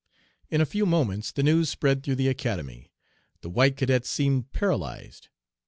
"In a few moments the news spread through the Academy. The white cadets seemed paralyzed.